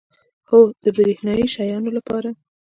هو، د بریښنایی شیانو لپاره